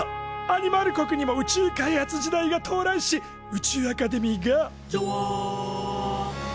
アニマル国にも宇宙開発時代が到来し宇宙アカデミーが「じょわ」と誕生。